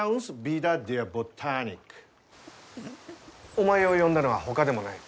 お前を呼んだのはほかでもない。